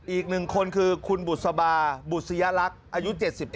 อีก๑คนคือคุณบุษบาบุษยลักษณ์อายุ๗๙